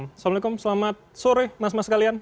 assalamualaikum selamat sore mas mas kalian